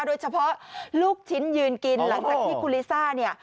โดยเฉพาะลูกชิ้นยืนกินหลังจากที่คุณลิซ่านี่